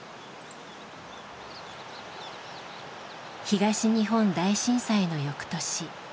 東日本大震災の翌年。